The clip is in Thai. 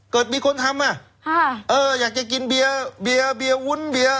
เกิดมีคนทำอ่ะเอออยากจะกินเบียร์เบียร์เบียร์วุ้นเบียร์